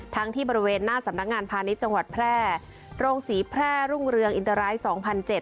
ที่บริเวณหน้าสำนักงานพาณิชย์จังหวัดแพร่โรงศรีแพร่รุ่งเรืองอินเตอร์ไรทสองพันเจ็ด